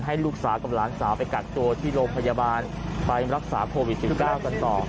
ลูกสาวกับหลานสาวไปกักตัวที่โรงพยาบาลไปรักษาโควิด๑๙กันต่อ